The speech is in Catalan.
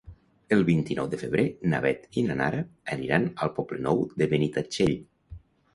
El vint-i-nou de febrer na Beth i na Nara aniran al Poble Nou de Benitatxell.